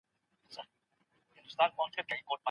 کمپيوټر سودا قوي کوي.